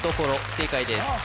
正解です